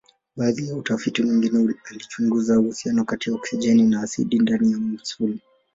Baadhi ya utafiti mwingine alichunguza uhusiano kati ya oksijeni na asidi ndani ya misuli.